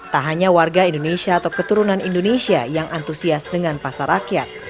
tak hanya warga indonesia atau keturunan indonesia yang antusias dengan pasar rakyat